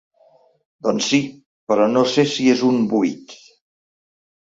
Doncs sí, però no sé si és un buit.